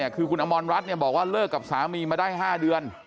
คือคุณอมรรัฐบอกว่าเลิกกับสามีมาได้๕เดือน